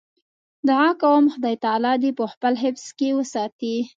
دعا کوم خدای تعالی دې په خپل حفظ کې وساتي.